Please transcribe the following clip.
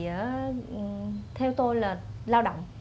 thì theo tôi là lao động